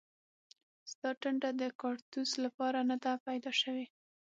ستا ټنډه د کاړتوس لپاره نه ده پیدا شوې